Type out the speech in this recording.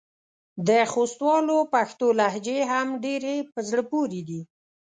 د خوستوالو پښتو لهجې هم ډېرې په زړه پورې دي.